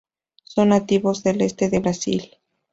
Son nativos del este de Brasil.